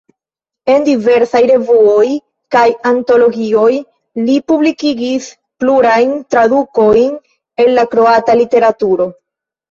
En diversaj revuoj kaj antologioj li publikigis plurajn tradukojn el la kroata literaturo.